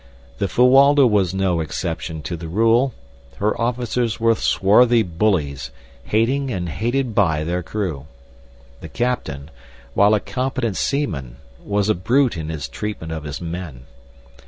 The Fuwalda was no exception to the rule. Her officers were swarthy bullies, hating and hated by their crew. The captain, while a competent seaman, was a brute in his treatment of his men.